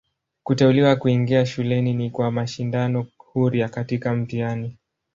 Kuteuliwa kuingia shuleni ni kwa mashindano huria katika mtihani.